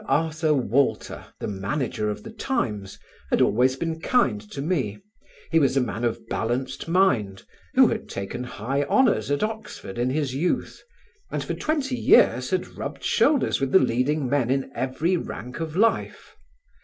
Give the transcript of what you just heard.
Arthur Walter, the manager of The Times, had always been kind to me; he was a man of balanced mind, who had taken high honours at Oxford in his youth, and for twenty years had rubbed shoulders with the leading men in every rank of life.